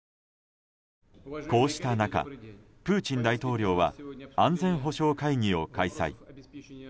こうした中、プーチン大統領は安全保障会議を開催。